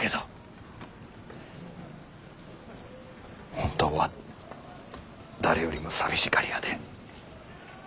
本当は誰よりも寂しがり屋で。